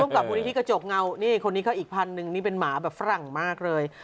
กับมูลนิธิกระจกเงานี่คนนี้ก็อีกพันหนึ่งนี่เป็นหมาแบบฝรั่งมากเลย